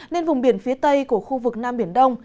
nên vùng biển phía tây của khu vực nam biển đông